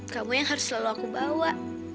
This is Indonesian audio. kamu yang harus selalu aku bawa